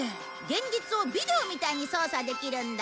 現実をビデオみたいに操作できるんだ。